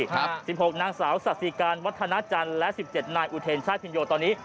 ๑๖นางสาวสาธิการวัฒนาจันทร์และ๑๗นายอุเทนชาติพินโยตอนนี้